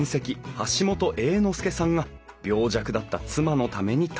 橋本英之助さんが病弱だった妻のために建てた。